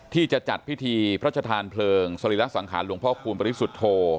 ที่จะจัดพิธีพระชธานเพลิงสรีระสังขารหลวงพ่อคูณปริสุทธโธ